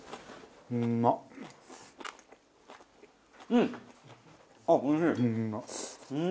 うん！